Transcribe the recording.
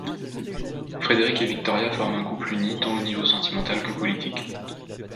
Frédéric et Victoria forment un couple uni, tant au niveau sentimental que politique.